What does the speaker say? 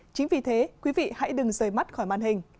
chính vì thế quý vị hãy đừng rời mắt khỏi màn hình